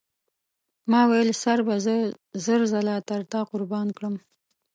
ما وویل سر به زه زر ځله تر تا قربان کړم.